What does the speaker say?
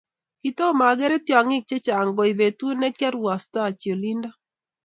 kitoma agere tiongik che chang koi petut ne kiaruwastachi olindok